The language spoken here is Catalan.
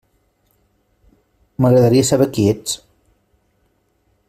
M'agradaria saber qui ets.